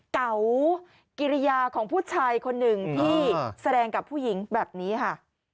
เก่ากิริยาของผู้ชายคนหนึ่งที่แสดงกับผู้หญิงแบบนี้ค่ะ